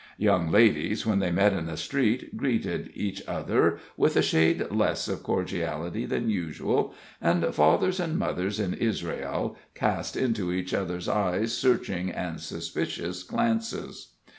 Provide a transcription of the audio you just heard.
Young ladies, when they met in the street, greeted each, other with a shade less of cordiality than usual, and fathers and mothers in Israel cast into each other's eyes searching and suspicious glances.